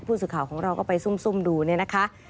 ผู้สื่อข่าวของเราก็ไปซุ่มดูเนี่ยนะคะ